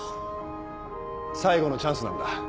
最後のチャンスなんだ。